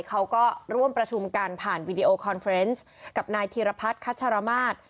เขาก็ร่วมประชุมกันผ่านวีดีโอคอนเฟรนซ์กับนายธีรพัฒน์คัชรมาศ